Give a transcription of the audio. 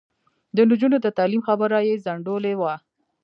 د نجونو د تعلیم خبره یې ځنډولې وه.